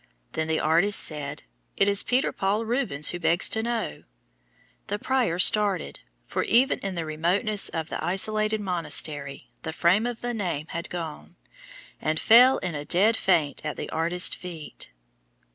Then the artist said, "It is Peter Paul Rubens who begs to know." The prior started, for even in the remoteness of the isolated monastery the fame of that name had gone, and fell in a dead faint at the artist's feet.